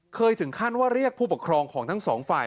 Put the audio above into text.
ถึงขั้นว่าเรียกผู้ปกครองของทั้งสองฝ่าย